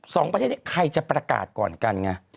สองประเทศนี้ใครจะประกาศก่อนกันไง